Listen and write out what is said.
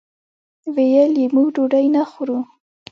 ویل یې موږ ډوډۍ نه خورو.